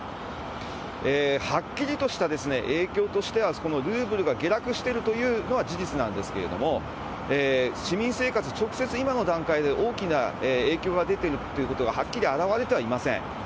はっきりとした影響としては、ルーブルが下落しているというのは事実なんですけれども、市民生活、直接今の段階で、大きな影響が出ているということが、はっきり表れてはいません。